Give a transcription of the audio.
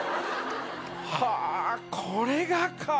はあこれがかぁ。